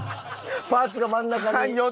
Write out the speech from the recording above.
パーツが真ん中に。